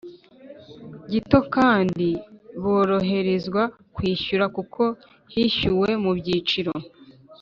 gito kandi boroherezwa kwishyura kuko yishyuwe mu byiciro